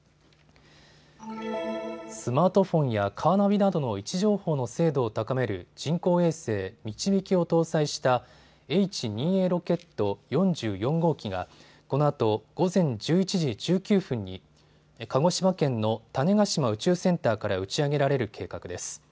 スマートフォンやカーナビなどの位置情報の精度を高める人工衛星、みちびきを搭載したＨ２Ａロケット４４号機がこのあと、午前１１時１９分に鹿児島県の種子島宇宙センターから打ち上げられる計画です。